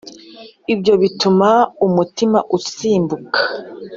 ibyo bituma umutima usimbuka.